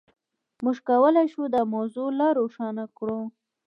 موږ کولای شو دا موضوع لا روښانه کړو.